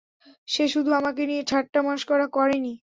সে শুধু আমাকে নিয়ে ঠাট্টা মশকরা করেনি।